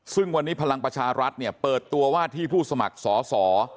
ซึ่งวันนี้พลังประชารัฐเนี่ยเปิดตัวว่าที่ผู้สมัครสอสอ